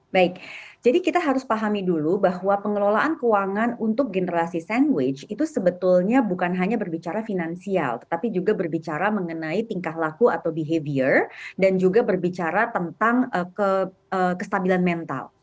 baik jadi kita harus pahami dulu bahwa pengelolaan keuangan untuk generasi sandwich itu sebetulnya bukan hanya berbicara finansial tetapi juga berbicara mengenai tingkah laku atau behavior dan juga berbicara tentang kestabilan mental